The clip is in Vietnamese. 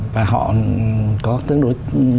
và họ có tương đối